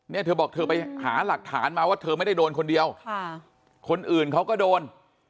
เธอบอกเธอไปหาหลักฐานมาว่าเธอไม่ได้โดนคนเดียวค่ะคนอื่นเขาก็โดน